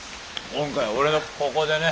今回は俺のここでね！